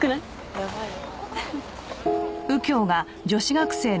やばいよ。